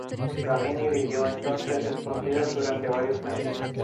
Framini vivió entonces escondido durante varios meses.